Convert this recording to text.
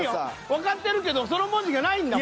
わかってるけどその文字がないんだもん。